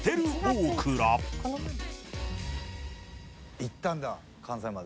「行ったんだ関西まで」